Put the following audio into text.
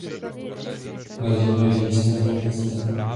Leží na jižní straně města.